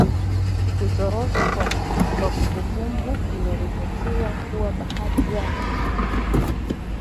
kuzorota kwa kumbukumbu Imeripotiwa kwamba baadhi ya